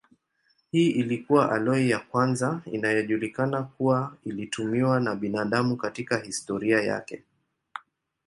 Hii ilikuwa aloi ya kwanza inayojulikana kuwa ilitumiwa na binadamu katika historia yake.